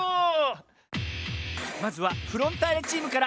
まずはフロンターレチームから。